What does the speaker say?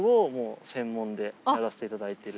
やらせていただいてる。